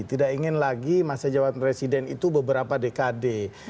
tidak ingin lagi masa jabatan presiden itu beberapa dekade